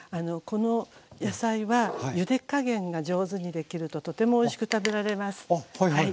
この野菜はゆで加減が上手にできるととてもおいしく食べられます。